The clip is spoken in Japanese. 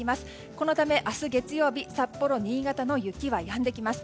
このため、明日月曜日札幌、新潟の雪はやんできます。